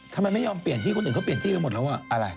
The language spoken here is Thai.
ทำไมไม่ยอมเปลี่ยนที่คนอื่นเขาเปลี่ยนที่กันหมดแล้วอะไร